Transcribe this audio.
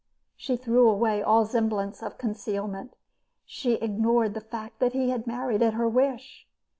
She threw away all semblance of concealment. She ignored the fact that he had married at her wish.